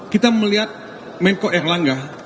kita melihat menko erlangga